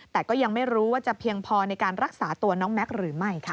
แต่ก็ยังไม่รู้ว่าจะเพียงพอในการรักษาตัวน้องแม็กซ์หรือไม่ค่ะ